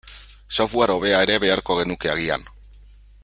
Software hobea ere beharko genuke agian.